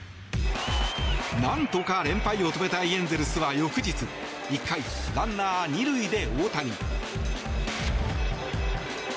なんとか連敗を止めたいエンゼルスは翌日１回、ランナー２塁で大谷。